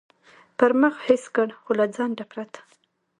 پر مخ حس کړ، خو له ځنډه پرته.